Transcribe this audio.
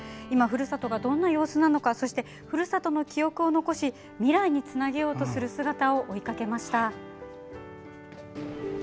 今ふるさとがどんな様子なのかそして、ふるさとの記憶を残し未来につなげようとする姿を追いかけました。